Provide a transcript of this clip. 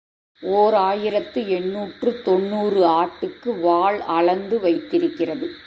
ஓர் ஆயிரத்து எண்ணூற்று தொன்னூறு ஆட்டுக்கு வால் அளந்து வைத்திருக்கிறது